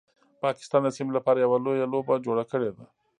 پاکستان د سیمې لپاره یو لویه لوبه جوړه کړیده